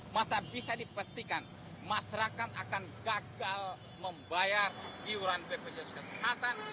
masa bisa dipastikan masyarakat akan gagal membayar iuran bpjs kesehatan